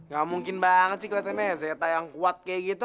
gak mungkin banget sih kelihatannya zeta yang kuat kayak gitu